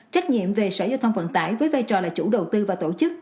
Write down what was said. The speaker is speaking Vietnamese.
trách nhiệm về sở giao thông vận tải với vai trò là chủ đầu tư và tổ chức